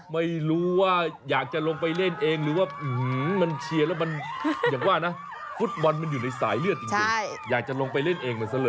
ไม่รู้ว่าอยากจะลงไปเล่นเอง